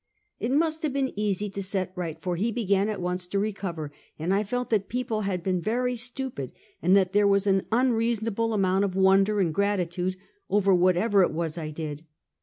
It must have been easy to set right, for he began at once to recover, and I felt that people had been very stupid, and that there was an unreasonable amount of wonder and gratitude over whatever it was I did.